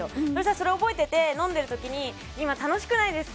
それを覚えてて飲んでる時に今楽しくないですか？